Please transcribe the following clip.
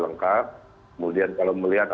lengkap kemudian kalau melihat